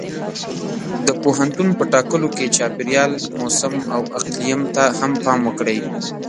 د پوهنتون په ټاکلو کې چاپېریال، موسم او اقلیم ته هم پام وکړئ.